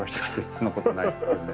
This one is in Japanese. そんなことはないですけどね。